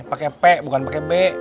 pakai p bukan pakai b